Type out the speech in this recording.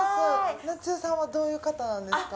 夏代さんはどういう方なんですか？